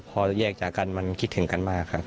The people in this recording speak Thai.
พอแยกจากกันมันคิดถึงกันมากครับ